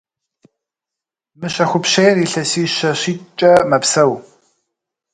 Мыщэхупщейр илъэсищэ – щитӏкӏэ мэпсэу.